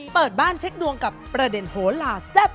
เปิดบ้านเช็คดวงกับประเด็นโหลาแซ่บ